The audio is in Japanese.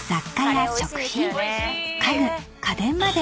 ［家具家電まで］